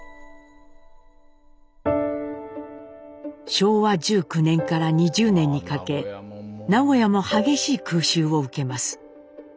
昭和１９年から２０年にかけ名古屋も激しい空襲を受けます。